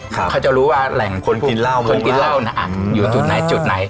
เขาจะรู้ว่าแหล่งคนกินเหล้าคนกินเหล้าน่ะอยู่จุดไหนจุดไหน